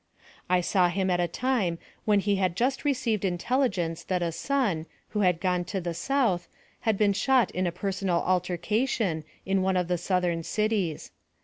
I saw him at a time when he had just received intelligence that a son, who had gone to the south, had been shot in a per sonal altercation, in one of the southern cities.